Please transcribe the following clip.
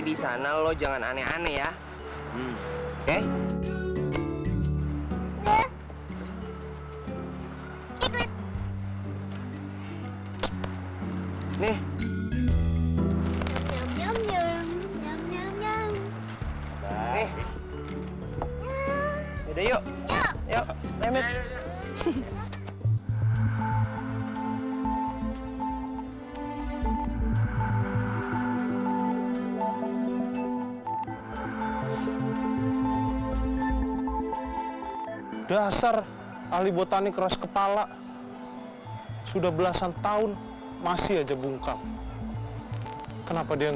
dan aku ingin sekali keluar dari sini untuk mencari diri